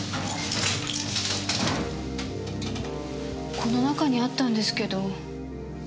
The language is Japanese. この中にあったんですけど。